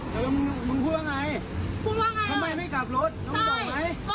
พี่ต้องให้เกียรติหนูไหม